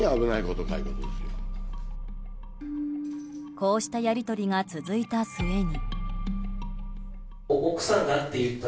こうしたやり取りが続いた末に。